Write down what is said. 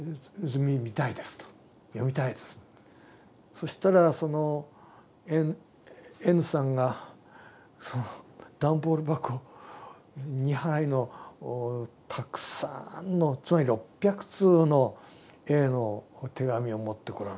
そしたらそのＮさんがその段ボール箱２杯のたくさんのつまり６００通のＡの手紙を持ってこられた。